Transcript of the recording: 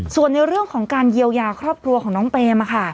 ส่วนในเรื่องของการเยียวยาครอบครัวของน้องเปม